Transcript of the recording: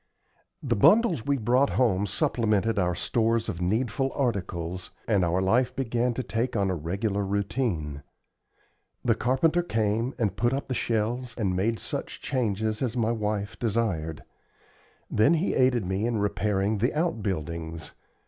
The bundles we brought home supplemented our stores of needful articles, and our life began to take on a regular routine. The carpenter came and put up the shelves, and made such changes as my wife desired; then he aided me in repairing the out buildings.